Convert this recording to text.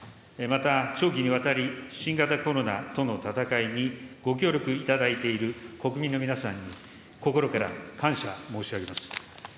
また長期にわたり、新型コロナとの闘いにご協力いただいている国民の皆さんに心から感謝申し上げます。